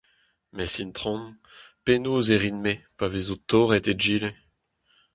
Mes, Itron, penaos e rin-me pa vezo torret egile ?